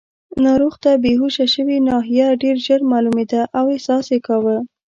ناروغ ته بېهوښه شوې ناحیه ډېر ژر معلومېده او احساس یې کاوه.